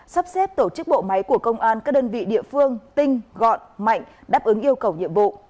sắp xếp tổ chức bộ máy của công an các đơn vị địa phương tinh gọn mạnh đáp ứng yêu cầu nhiệm vụ